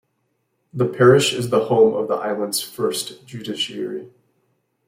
The parish is the home of the Island's first judiciary.